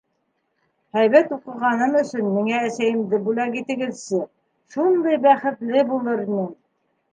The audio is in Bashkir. Һәйбәт уҡығаным өсөн миңә әсәйемде бүләк итегеҙсе, шундай бәхетле булыр инем.